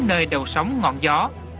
nơi đầu sóng ngọn gió